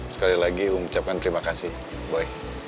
sekali lagi om ucapkan terima kasih boy